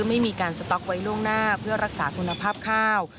ไม่มีการสต๊อกไว้ล่วงหน้าเพื่อรักษาคุณภาพข้าว